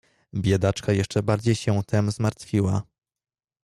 "Biedaczka jeszcze bardziej się tem zmartwiła."